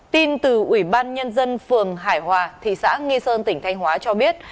tin từ ủy ban nhân dân phường hải hòa thị xã nghi sơn tỉnh thanh hóa cho biết